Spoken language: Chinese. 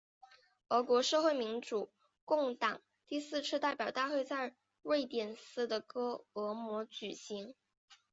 俄国社会民主工党第四次代表大会在瑞典斯德哥尔摩举行。